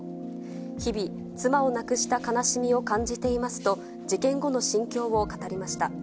日々、妻を亡くした悲しみを感じていますと、事件後の心境を語りました。